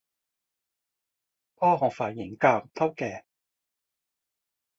พ่อขอฝ่ายหญิงกล่าวกับเถ้าแก่